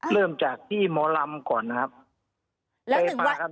เริ่มจากที่หมอลำก่อนนะครับ